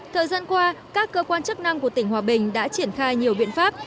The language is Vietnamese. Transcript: thời gian qua các cơ quan chức năng của tỉnh hòa bình đã triển khai nhiều biện pháp